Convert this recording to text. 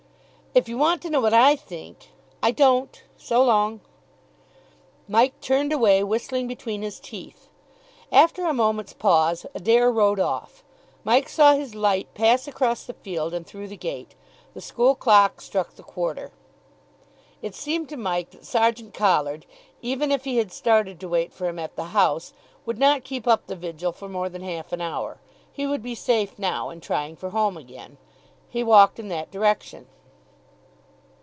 "If you want to know what I think " "I don't. So long." Mike turned away, whistling between his teeth. After a moment's pause, Adair rode off. Mike saw his light pass across the field and through the gate. The school clock struck the quarter. It seemed to Mike that Sergeant Collard, even if he had started to wait for him at the house, would not keep up the vigil for more than half an hour. He would be safe now in trying for home again. He walked in that direction.